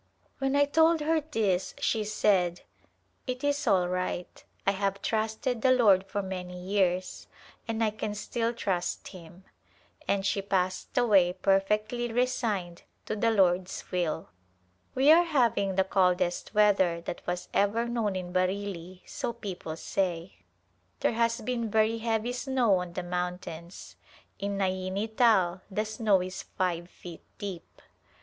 When I told her this she said, " It is all right. I have trusted the Lord for many years and I can still trust Him," and she passed away perfectly resigned to the Lord's will. We are having the coldest weather that was ever known in Bareilly, so people say. There has been very heavy snow on the mountains ; in Naini Tal the snow is five feet deep.